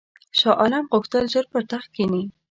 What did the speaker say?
شاه عالم غوښتل ژر پر تخت کښېني.